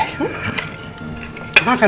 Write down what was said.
saya sendiri makan